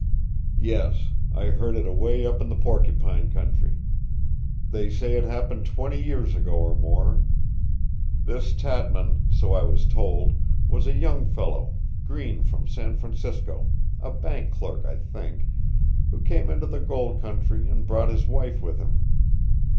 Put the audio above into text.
"Yes. I heard it away up in the Porcupine country. They say it happened twenty years ago or more. This Tatman, so I was told, was a young fellow green from San Francisco a bank clerk, I think who came into the gold country and brought his wife with him.